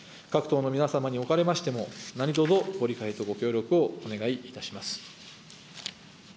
各党の皆様におかれましても、何とぞご理解とご協力をお願いいたします。